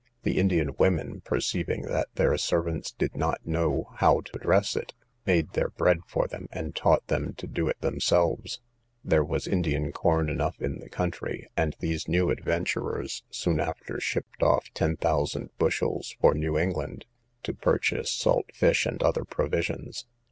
The Indian women, perceiving that their servants did not know how to dress it, made their bread for them, and taught them to do it themselves. There was Indian corn enough in the country, and these new adventurers soon after shipped off 10,000 bushels for New England, to purchase salt fish and other provisions.